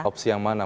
opsi yang mana